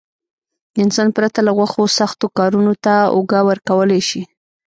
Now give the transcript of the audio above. انسان پرته له غوښو سختو کارونو ته اوږه ورکولای شي.